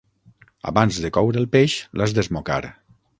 Abans de coure el peix, l'has d'esmocar.